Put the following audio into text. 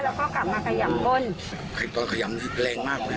แล้วก็กลับมาขยัมก้นตอนขยัมนึงแรงมากไหม